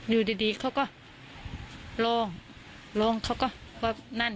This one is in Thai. อยู่ดีดีเขาก็ลองลองเขาก็ว่านั่น